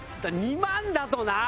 ２万だとな。